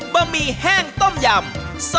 บะหมี่แห้งต้มยำ